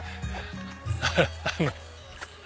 あの。